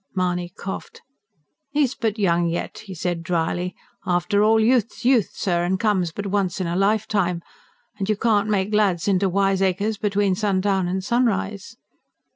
Mahony coughed. "He's but young yet," he said drily. "After all, youth's youth, sir, and comes but once in a lifetime. And you can't make lads into wiseacres between sundown and sunrise."